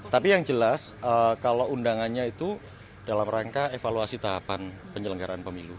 tapi yang jelas kalau undangannya itu dalam rangka evaluasi tahapan penyelenggaraan pemilu